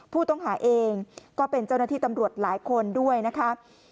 ผู้ต้องหาเองก็เป็นเจ้าหน้าที่ตำรวจหลายคนด้วยนะคะ